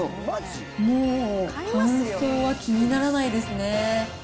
もう、乾燥は気にならないですね。